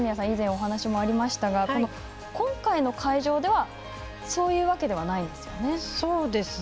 以前、お話しもありましたが今回の会場ではそういうわけではないんですよね。